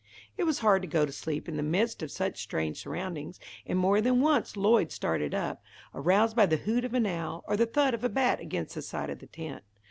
It was hard to go to sleep in the midst of such strange surroundings, and more than once Lloyd started up, aroused by the hoot of an owl, or the thud of a bat against the side of the tent.